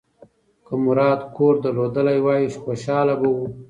که مراد کور درلودلی وای، خوشاله به و.